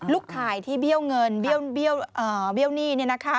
ข่ายที่เบี้ยวเงินเบี้ยวหนี้